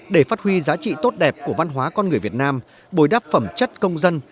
để phát huy giá trị tốt đẹp của văn hóa con người việt nam bồi đắp phẩm chất công dân